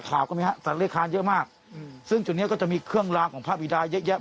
แต่ขาวก็ไม่ครับสัตว์เล็กคานเยอะมากอืมซึ่งจุดนี้จะมีเครื่องราบของภาพวิดาณ์เยอะเยอะมาก